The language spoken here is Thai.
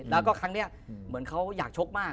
แล้วก็ครั้งนี้เหมือนเขาอยากชกมาก